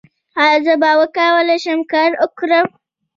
ایا زه به وکولی شم کار وکړم؟